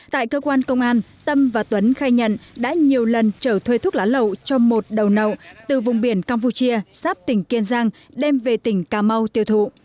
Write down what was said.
tại cơ quan công an tâm và tuấn khai nhận đã nhiều lần trở thuê thuốc lá lậu cho một đầu nậu từ vùng biển campuchia sắp tỉnh kiên giang đem về tỉnh cà mau tiêu thụ